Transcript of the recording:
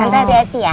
santa di hati ya